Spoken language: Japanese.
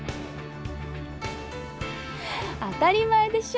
当たり前でしょ。